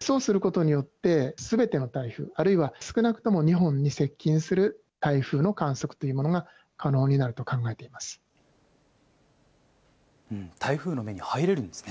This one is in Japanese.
そうすることによって、すべての台風、あるいは少なくとも日本に接近する台風の観測というものが可能に台風の目に入れるんですね。